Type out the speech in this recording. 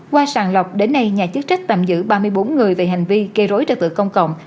qua sàng lọc đến nay nhà chức trách tạm giữ ba mươi bốn người về hành vi gây rối trật tự công cộng